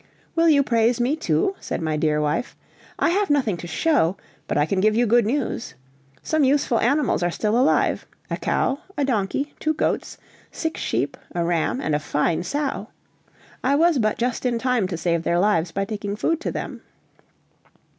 "Will you praise me too?" said my dear wife. "I have nothing to show, but I can give you good news. Some useful animals are still alive; a cow, a donkey, two goats, six sheep, a ram, and a fine sow. I was but just in time to save their lives by taking food to them."